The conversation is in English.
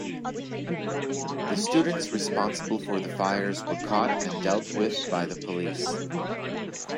The students responsible for the fires were caught and dealt with by the police.